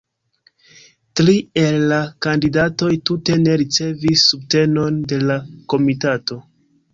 Tri el la kandidatoj tute ne ricevis subtenon de la komitato.